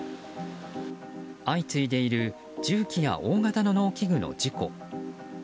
相次いでいる重機や大型の農機具の事故。